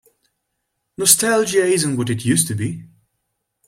Nostalgia isn't what it used to be.